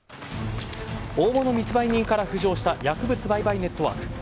大物密売人から浮上した薬物売買ネットワーク。